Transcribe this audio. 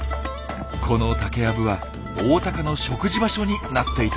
この竹やぶはオオタカの食事場所になっていたんです。